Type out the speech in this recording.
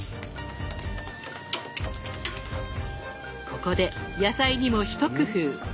ここで野菜にも一工夫。